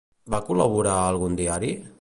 Va col·laborar a algun diari?